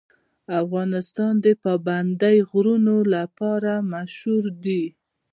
افغانستان د پابندی غرونه لپاره مشهور دی.